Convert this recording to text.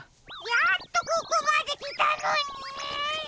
やっとここまできたのに！